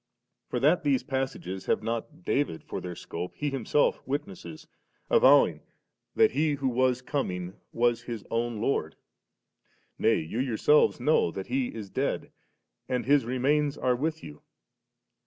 Now that these passages have not David for their scope he himsdf witnesses, avowing that He who was coming was Hb own Lord. Nay you yourselves know that He is dead, and His remains are with yoo.